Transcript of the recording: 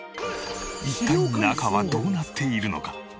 一体中はどうなっているのか？